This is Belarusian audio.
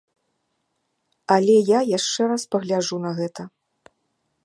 Але я яшчэ раз пагляджу на гэта.